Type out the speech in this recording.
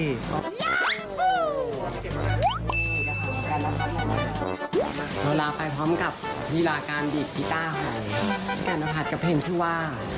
เราลาไปท้องกับวีดีโอการดีฟฟีตาแกน้าพาชกับเพลงชื่อว่า